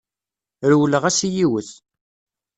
Rewleɣ-as i yiwet.